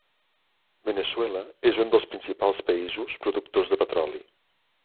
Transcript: Veneçuela és un dels principals països productors de petroli.